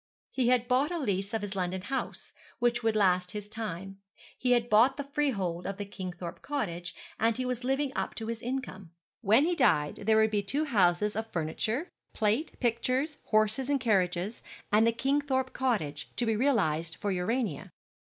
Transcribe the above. He had bought a lease of his London house, which would last his time; he had bought the freehold of the Kingthorpe cottage; and he was living up to his income. When he died there would be two houses of furniture, plate, pictures, horses and carriages, and the Kingthorpe cottage, to be realized for Urania.